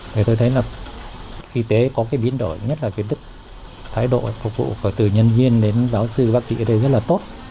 thì tôi thấy là y tế có cái biến đổi nhất là cái thái độ phục vụ từ nhân viên đến giáo sư bác sĩ ở đây rất là tốt